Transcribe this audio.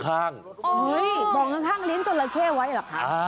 บ่องข้างลิ้นจราเข้ไว้เหรอครับ